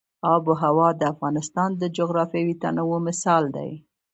آب وهوا د افغانستان د جغرافیوي تنوع مثال دی.